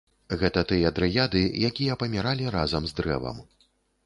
Гэта тыя дрыяды, якія паміралі разам з дрэвам.